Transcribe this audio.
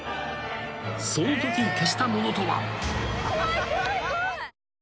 その時、消したものとは。